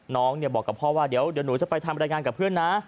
น้องบอกกับพ่อว่าเดี๋ยวหนูจะไปทำรายงานกับเพื่อนนะ